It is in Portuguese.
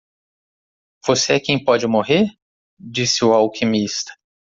"Você é quem pode morrer?", disse o alquimista.